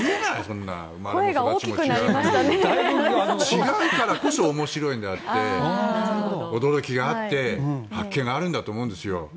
違うからこそ面白いのであって驚きがあって発見があるんだと思うんです。